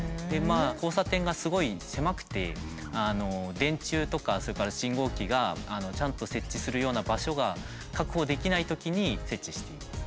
交差点がすごい狭くて電柱とかそれから信号機がちゃんと設置するような場所が確保できないときに設置しています。